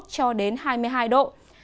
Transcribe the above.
cho đến hai mươi hai độ